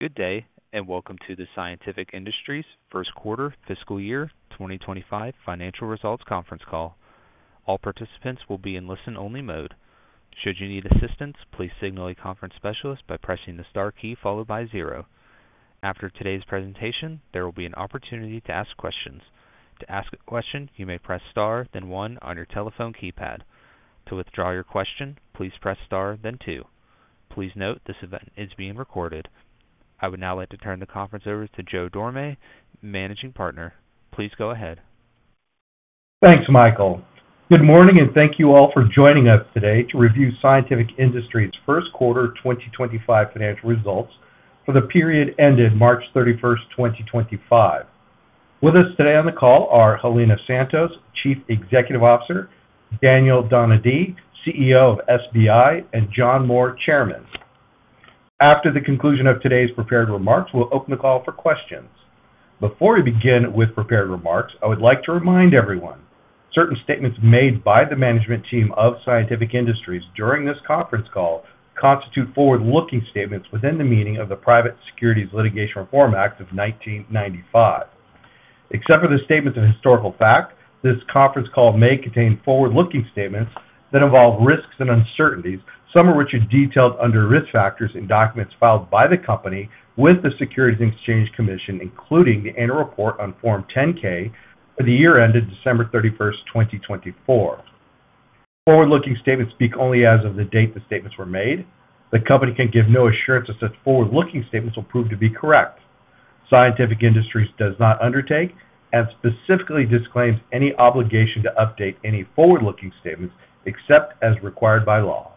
Good day, and welcome to the Scientific Industries First Quarter Fiscal Year 2025 Financial Results Conference Call. All participants will be in listen-only mode. Should you need assistance, please signal a conference specialist by pressing the star key followed by zero. After today's presentation, there will be an opportunity to ask questions. To ask a question, you may press star, then one, on your telephone keypad. To withdraw your question, please press star, then two. Please note this event is being recorded. I would now like to turn the conference over to Joe Dorame, Managing Partner. Please go ahead. Thanks, Michael. Good morning, and thank you all for joining us today to review Scientific Industries First Quarter 2025 Financial Results for the period ended March 31st, 2025. With us today on the call are Helena Santos, Chief Executive Officer; Daniel Donadille, CEO of SBI; and John Moore, Chairman. After the conclusion of today's prepared remarks, we'll open the call for questions. Before we begin with prepared remarks, I would like to remind everyone certain statements made by the management team of Scientific Industries during this conference call constitute forward-looking statements within the meaning of the Private Securities Litigation Reform Act of 1995. Except for the statements of historical fact, this conference call may contain forward-looking statements that involve risks and uncertainties, some of which are detailed under risk factors in documents filed by the company with the Securities and Exchange Commission, including the annual report on Form 10-K for the year ended December 31st, 2024. Forward-looking statements speak only as of the date the statements were made. The company can give no assurance that such forward-looking statements will prove to be correct. Scientific Industries does not undertake and specifically disclaims any obligation to update any forward-looking statements except as required by law.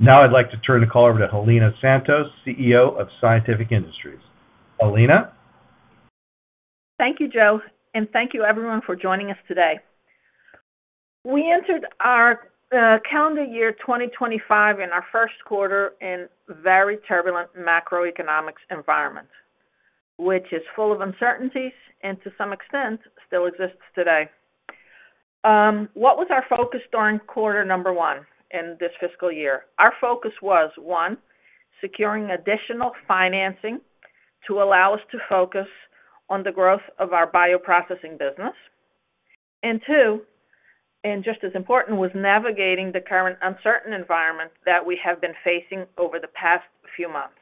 Now, I'd like to turn the call over to Helena Santos, CEO of Scientific Industries. Helena. Thank you, Joe, and thank you, everyone, for joining us today. We entered our calendar year 2025 and our first quarter in a very turbulent macroeconomic environment, which is full of uncertainties and, to some extent, still exists today. What was our focus during quarter number one in this fiscal year? Our focus was, one, securing additional financing to allow us to focus on the growth of our bioprocessing business, and two, and just as important, was navigating the current uncertain environment that we have been facing over the past few months.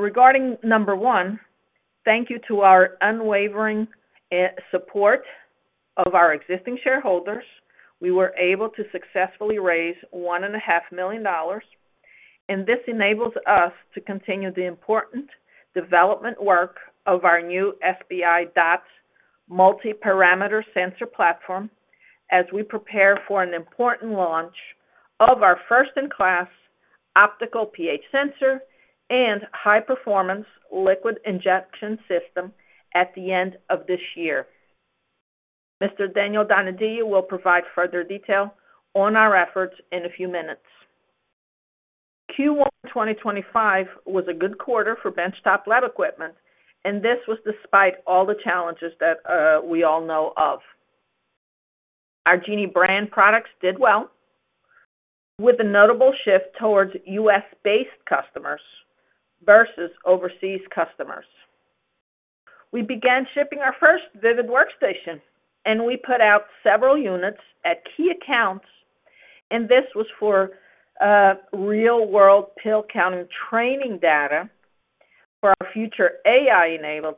Regarding number one, thank you to our unwavering support of our existing shareholders. We were able to successfully raise $1.5 million, and this enables us to continue the important development work of our new SBI DOTS Multi-Parameter Sensor platform as we prepare for an important launch of our first-in-class Optical pH Sensor and high-performance Liquid Injection System at the end of this year. Mr. Daniel Donadille will provide further detail on our efforts in a few minutes. Q1 2025 was a good quarter for benchtop lab equipment, and this was despite all the challenges that we all know of. Our Genie brand products did well, with a notable shift towards U.S.-based customers versus overseas customers. We began shipping our first VIVID Workstation, and we put out several units at key accounts, and this was for real-world pill-counting training data for our future AI-enabled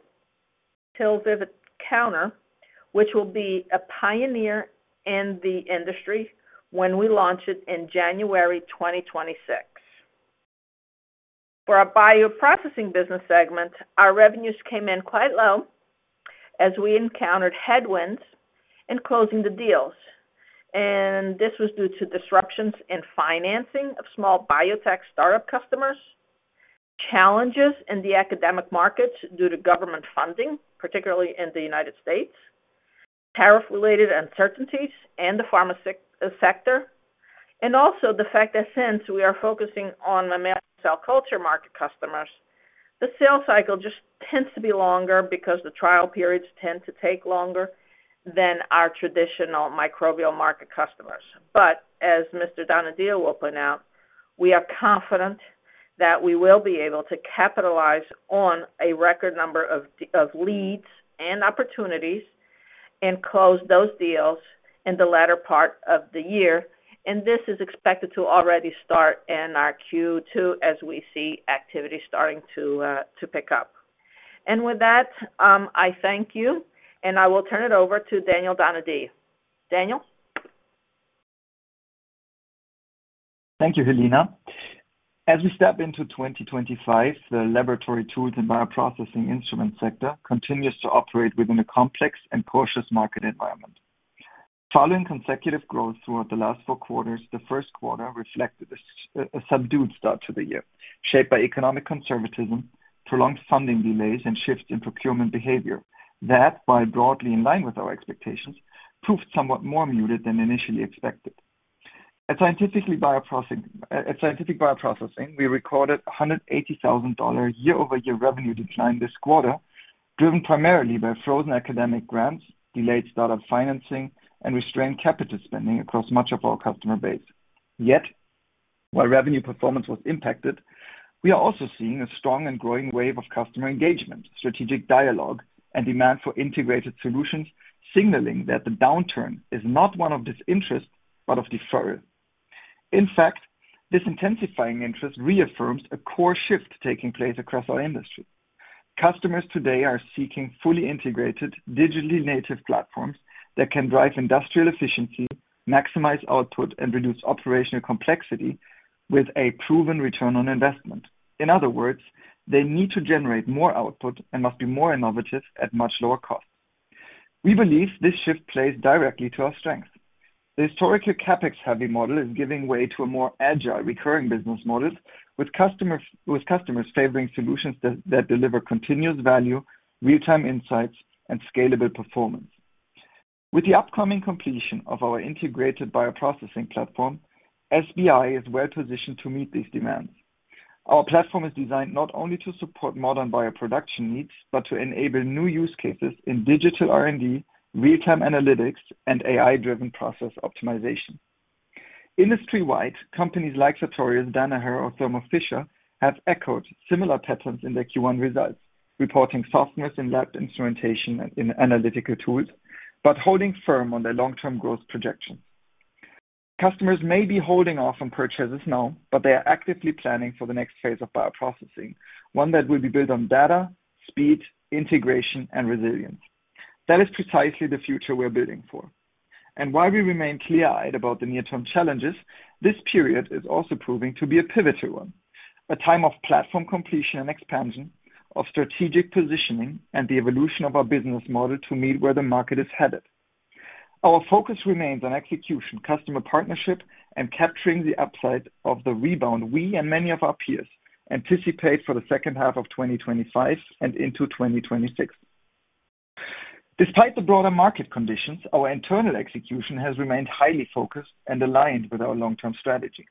VIVID Pill Counter, which will be a pioneer in the industry when we launch it in January 2026. For our bioprocessing business segment, our revenues came in quite low as we encountered headwinds in closing the deals, and this was due to disruptions in financing of small biotech startup customers, challenges in the academic markets due to government funding, particularly in the United States, tariff-related uncertainties in the pharma sector, and also the fact that since we are focusing on the cell culture market customers, the sale cycle just tends to be longer because the trial periods tend to take longer than our traditional microbial market customers. As Mr. Donadille will point out, we are confident that we will be able to capitalize on a record number of leads and opportunities and close those deals in the latter part of the year, and this is expected to already start in our Q2 as we see activity starting to pick up. Thank you, and I will turn it over to Daniel Donadille. Daniel. Thank you, Helena. As we step into 2025, the laboratory tools and bioprocessing instrument sector continues to operate within a complex and cautious market environment. Following consecutive growth throughout the last four quarters, the first quarter reflected a subdued start to the year, shaped by economic conservatism, prolonged funding delays, and shifts in procurement behavior that, while broadly in line with our expectations, proved somewhat more muted than initially expected. At Scientific Bioprocessing, we recorded a $180,000 year-over-year revenue decline this quarter, driven primarily by frozen academic grants, delayed startup financing, and restrained capital spending across much of our customer base. Yet, while revenue performance was impacted, we are also seeing a strong and growing wave of customer engagement, strategic dialogue, and demand for integrated solutions, signaling that the downturn is not one of disinterest but of deferral. In fact, this intensifying interest reaffirms a core shift taking place across our industry. Customers today are seeking fully integrated, digitally native platforms that can drive industrial efficiency, maximize output, and reduce operational complexity with a proven return on investment. In other words, they need to generate more output and must be more innovative at much lower costs. We believe this shift plays directly to our strengths. The historically CapEx-heavy model is giving way to a more agile, recurring business model, with customers favoring solutions that deliver continuous value, real-time insights, and scalable performance. With the upcoming completion of our integrated bioprocessing platform, SBI is well-positioned to meet these demands. Our platform is designed not only to support modern bioproduction needs but to enable new use cases in digital R&D, real-time analytics, and AI-driven process optimization. Industry-wide, companies like Sartorius, Danaher, or Thermo Fisher have echoed similar patterns in their Q1 results, reporting softness in lab instrumentation and analytical tools but holding firm on their long-term growth projections. Customers may be holding off on purchases now, but they are actively planning for the next phase of bioprocessing, one that will be built on data, speed, integration, and resilience. That is precisely the future we are building for. While we remain clear-eyed about the near-term challenges, this period is also proving to be a pivotal one, a time of platform completion and expansion, of strategic positioning, and the evolution of our business model to meet where the market is headed. Our focus remains on execution, customer partnership, and capturing the upside of the rebound we and many of our peers anticipate for the second half of 2025 and into 2026. Despite the broader market conditions, our internal execution has remained highly focused and aligned with our long-term strategy.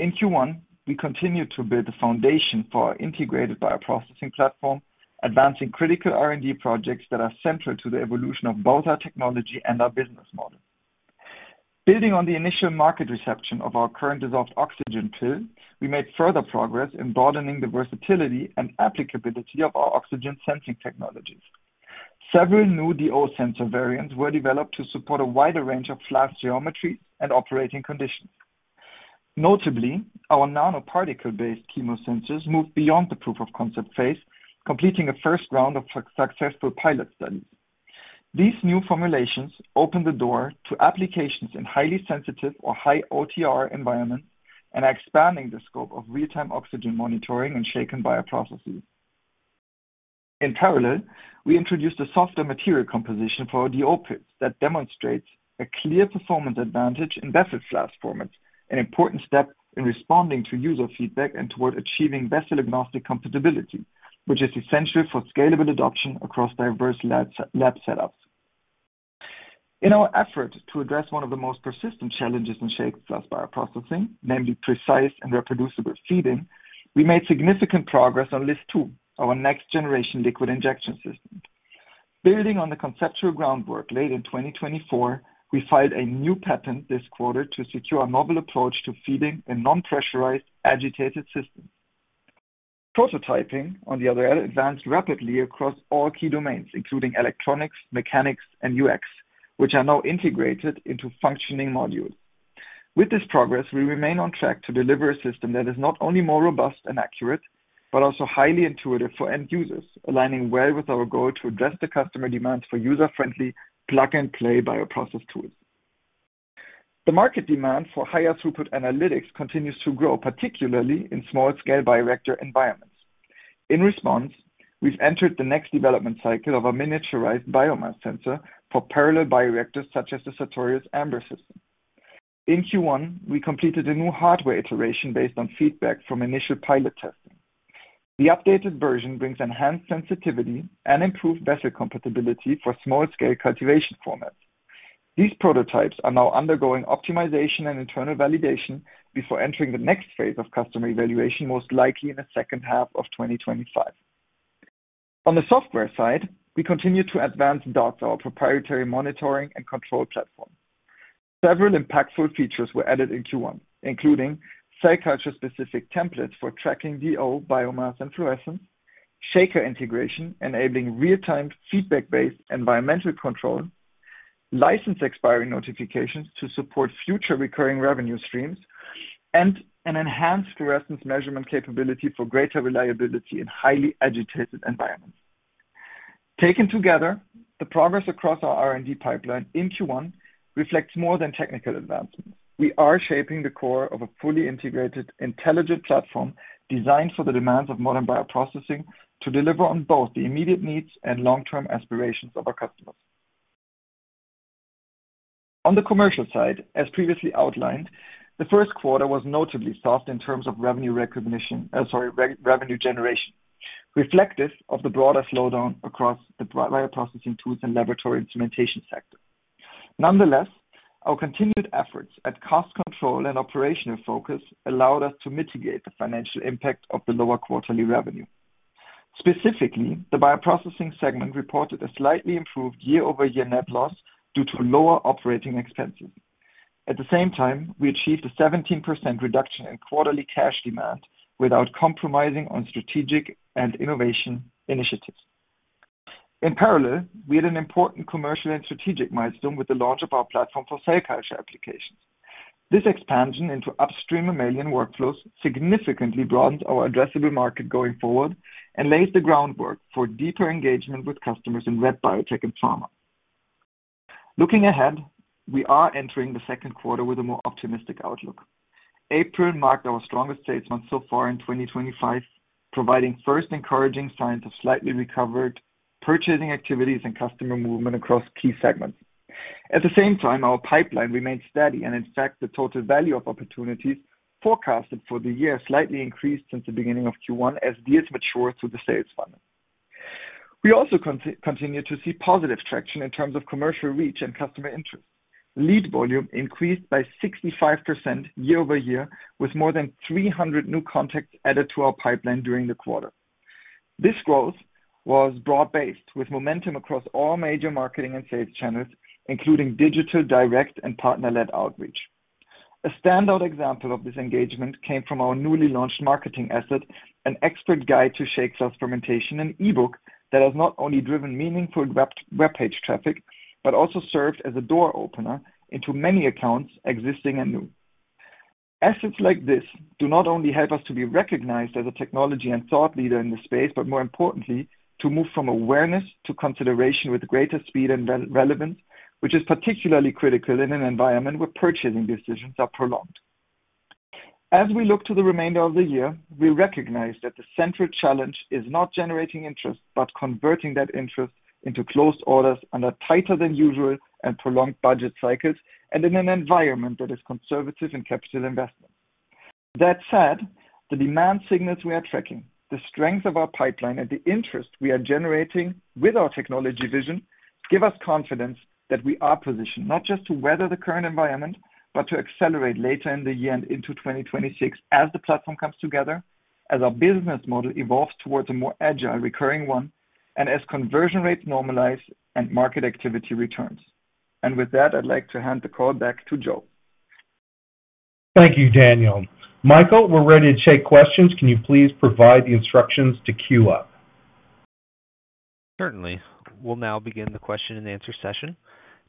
In Q1, we continued to build the foundation for our integrated bioprocessing platform, advancing critical R&D projects that are central to the evolution of both our technology and our business model. Building on the initial market reception of our current dissolved oxygen pill, we made further progress in broadening the versatility and applicability of our oxygen sensing technologies. Several new DO sensor variants were developed to support a wider range of flask geometries and operating conditions. Notably, our nanoparticle-based chemosensors moved beyond the proof-of-concept phase, completing a first round of successful pilot studies. These new formulations opened the door to applications in highly sensitive or high-OTR environments and are expanding the scope of real-time oxygen monitoring and shaken bioprocessing. In parallel, we introduced a softer material composition for our DO pills that demonstrates a clear performance advantage in vessel flask formats, an important step in responding to user feedback and toward achieving vessel-agnostic compatibility, which is essential for scalable adoption across diverse lab setups. In our effort to address one of the most persistent challenges in Shaken Flask Bioprocessing, namely precise and reproducible feeding, we made significant progress on LIS-2, our next generation Liquid Injection System. Building on the conceptual groundwork laid in 2024, we filed a new patent this quarter to secure a novel approach to feeding a non-pressurized agitated system. Prototyping, on the other hand, advanced rapidly across all key domains, including electronics, mechanics, and UX, which are now integrated into functioning modules. With this progress, we remain on track to deliver a system that is not only more robust and accurate but also highly intuitive for end users, aligning well with our goal to address the customer demands for user-friendly, plug-and-play bioprocess tools. The market demand for higher throughput analytics continues to grow, particularly in small-scale bioreactor environments. In response, we've entered the next development cycle of a miniaturized Biomass sensor for parallel bioreactors such as the Sartorius Ambr system. In Q1, we completed a new hardware iteration based on feedback from initial pilot testing. The updated version brings enhanced sensitivity and improved vessel compatibility for small-scale cultivation formats. These prototypes are now undergoing optimization and internal validation before entering the next phase of customer evaluation, most likely in the second half of 2025. On the software side, we continue to advance DOTS, our proprietary monitoring and control platform. Several impactful features were added in Q1, including cell culture-specific templates for tracking DO, Biomass, and fluorescence, Shaker integration enabling real-time feedback-based environmental control, license expiry notifications to support future recurring revenue streams, and an enhanced fluorescence measurement capability for greater reliability in highly agitated environments. Taken together, the progress across our R&D pipeline in Q1 reflects more than technical advancements. We are shaping the core of a fully integrated, intelligent platform designed for the demands of modern bioprocessing to deliver on both the immediate needs and long-term aspirations of our customers. On the commercial side, as previously outlined, the first quarter was notably soft in terms of revenue generation, reflective of the broader slowdown across the bioprocessing tools and laboratory instrumentation sector. Nonetheless, our continued efforts at cost control and operational focus allowed us to mitigate the financial impact of the lower quarterly revenue. Specifically, the bioprocessing segment reported a slightly improved year-over-year net loss due to lower operating expenses. At the same time, we achieved a 17% reduction in quarterly cash demand without compromising on strategic and innovation initiatives. In parallel, we had an important commercial and strategic milestone with the launch of our platform for cell culture applications. This expansion into upstream mammalian workflows significantly broadens our addressable market going forward and lays the groundwork for deeper engagement with customers in Red Biotech and pharma. Looking ahead, we are entering the second quarter with a more optimistic outlook. April marked our strongest sales month so far in 2025, providing first encouraging signs of slightly recovered purchasing activities and customer movement across key segments. At the same time, our pipeline remained steady, and in fact, the total value of opportunities forecasted for the year slightly increased since the beginning of Q1 as deals mature through the sales funnel. We also continue to see positive traction in terms of commercial reach and customer interest. Lead volume increased by 65% year-over-year, with more than 300 new contacts added to our pipeline during the quarter. This growth was broad-based, with momentum across all major marketing and sales channels, including digital, direct, and partner-led outreach. A standout example of this engagement came from our newly launched marketing asset, an expert guide to shake cell fermentation, an e-book that has not only driven meaningful web page traffic but also served as a door opener into many accounts, existing and new. Assets like this do not only help us to be recognized as a technology and thought leader in the space, but more importantly, to move from awareness to consideration with greater speed and relevance, which is particularly critical in an environment where purchasing decisions are prolonged. As we look to the remainder of the year, we recognize that the central challenge is not generating interest but converting that interest into closed orders under tighter-than-usual and prolonged budget cycles and in an environment that is conservative in capital investments. That said, the demand signals we are tracking, the strength of our pipeline, and the interest we are generating with our technology vision give us confidence that we are positioned not just to weather the current environment but to accelerate later in the year and into 2026 as the platform comes together, as our business model evolves towards a more agile, recurring one, and as conversion rates normalize and market activity returns. With that, I'd like to hand the call back to Joe. Thank you, Daniel. Michael, we're ready to take questions. Can you please provide the instructions to queue up? Certainly. We'll now begin the question-and-answer session.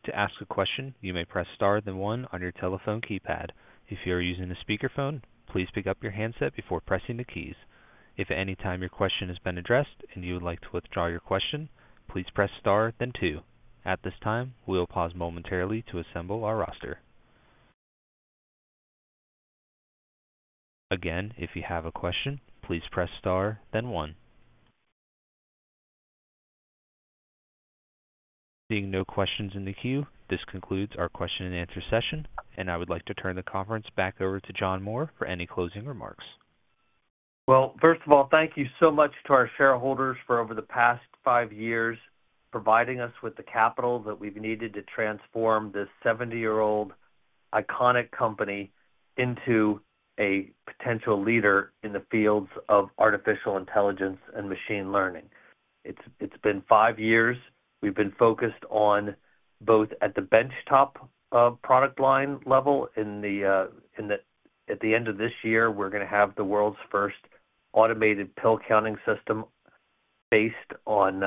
To ask a question, you may press star, then one, on your telephone keypad. If you are using a speakerphone, please pick up your handset before pressing the keys. If at any time your question has been addressed and you would like to withdraw your question, please press star, then two. At this time, we'll pause momentarily to assemble our roster. Again, if you have a question, please press star, then one. Seeing no questions in the queue, this concludes our question-and-answer session, and I would like to turn the conference back over to John Moore for any closing remarks. First of all, thank you so much to our shareholders for, over the past five years, providing us with the capital that we've needed to transform this 70-year-old iconic company into a potential leader in the fields of Artificial Intelligence and Machine Learning. It's been five years. We've been focused on both at the benchtop product line level. At the end of this year, we're going to have the world's first automated pill-counting system based on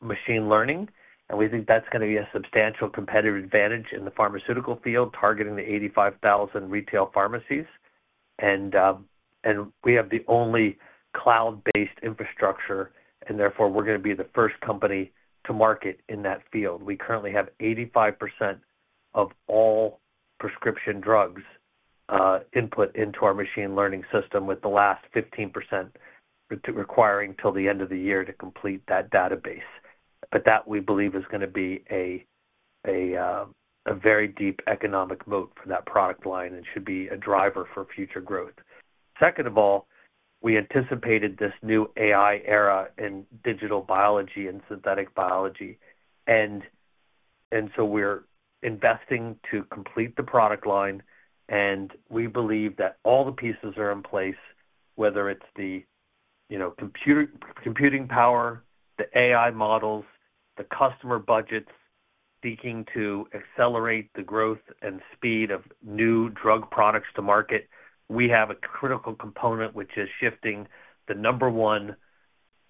machine learning, and we think that's going to be a substantial competitive advantage in the pharmaceutical field, targeting the 85,000 retail pharmacies. We have the only cloud-based infrastructure, and therefore, we're going to be the first company to market in that field. We currently have 85% of all prescription drugs input into our machine learning system, with the last 15% requiring till the end of the year to complete that database. That, we believe, is going to be a very deep economic moat for that product line and should be a driver for future growth. Second of all, we anticipated this new AI era in Digital Biology and Synthetic Biology, and so we're investing to complete the product line. We believe that all the pieces are in place, whether it's the computing power, the AI models, the customer budgets seeking to accelerate the growth and speed of new drug products to market. We have a critical component, which is shifting the number one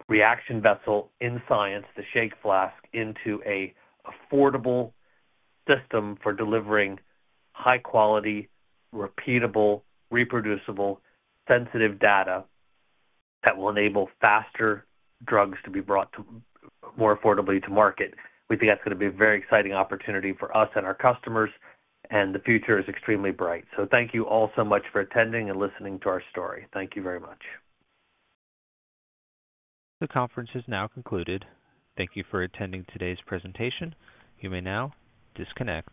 reaction vessel in science, the shake flask, into an affordable system for delivering high-quality, repeatable, reproducible, sensitive data that will enable faster drugs to be brought more affordably to market. We think that's going to be a very exciting opportunity for us and our customers, and the future is extremely bright. Thank you all so much for attending and listening to our story. Thank you very much. The conference is now concluded. Thank you for attending today's presentation. You may now disconnect.